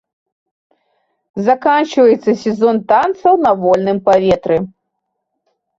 Заканчваецца сезон танцаў на вольным паветры.